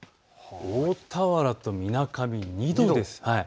大田原とみなかみ２度です。